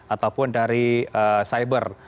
ataupun dari cyber